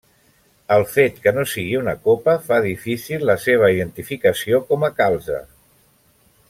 El fet que no sigui una copa fa difícil la seva identificació com a calze.